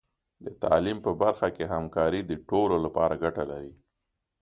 د تعلیم په برخه کې همکاري د ټولو لپاره ګټه لري.